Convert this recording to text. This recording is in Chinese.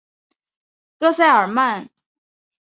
戈塞尔曼。